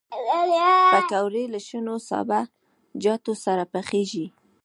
پکورې له شنو سابهجاتو سره پخېږي